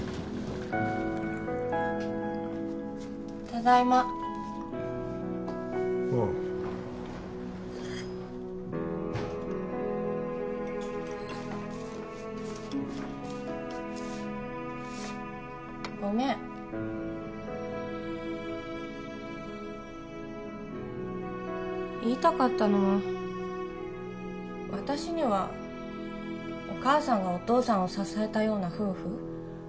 ただいまああごめん言いたかったのは私にはお母さんがお父さんを支えたような夫婦？